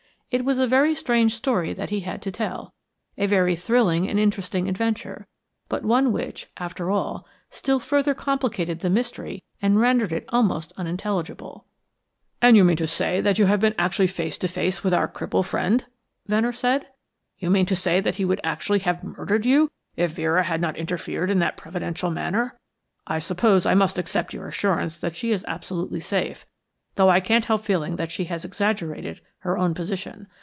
It was a strange story that he had to tell; a very thrilling and interesting adventure, but one which, after all, still further complicated the mystery and rendered it almost unintelligible. "And you mean to say that you have been actually face to face with our cripple friend?" Venner said. "You mean to say that he would actually have murdered you if Vera had not interfered in that providential manner? I suppose I must accept your assurance that she is absolutely safe, though I can't help feeling that she has exaggerated her own position.